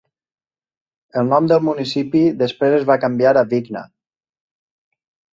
El nom del municipi després es va canviar a Vikna.